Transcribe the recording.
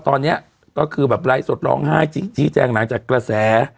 ตอนนี้ก็คือแบบไลฟ์สดร้องไห้ชี้แจงหลังจากกระแส